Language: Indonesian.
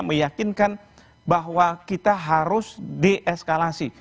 meyakinkan bahwa kita harus dieskalasi